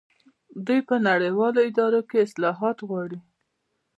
دوی په نړیوالو ادارو کې اصلاحات غواړي.